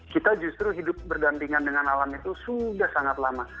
kita justru hidup berdampingan dengan alam itu sudah sangat lama